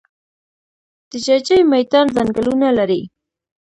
د جاجي میدان ځنګلونه لري